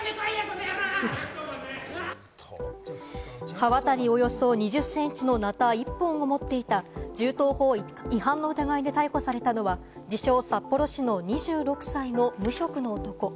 刃渡りおよそ２０センチのなた１本を持っていた、銃刀法違反の疑いで逮捕されたのは、自称・札幌市の２６歳の無職の男。